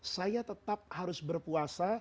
saya tetap harus berpuasa